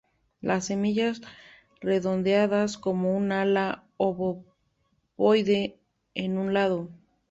Las semillas redondeadas con un ala obovoide en un lado.